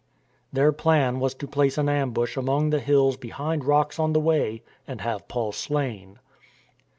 Their plan was to place an ambush among the hills behind rocks on the way and have Paul slain.